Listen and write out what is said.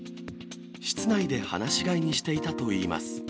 室内で放し飼いにしていたといいます。